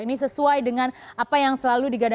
ini sesuai dengan apa yang selalu digadang